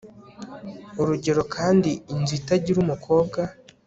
urugero kandi inzu itagira umukobwa